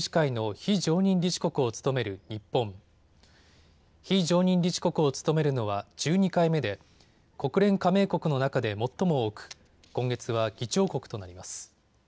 非常任理事国を務めるのは１２回目で国連加盟国の中で最も多く今月は議長国となります。